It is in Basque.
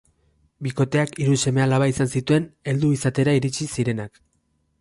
Bikoteak hiru seme alaba izan zituen heldu izatera iritsi zirenak.